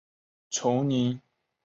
崇宁二年进士。